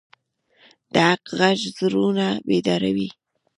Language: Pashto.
د حق غږ زړونه بیداروي